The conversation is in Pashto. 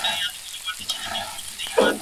الټراساؤنډ د تزریق پر مهال مرسته کوي.